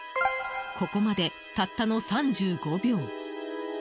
ここまで、たったの３５秒。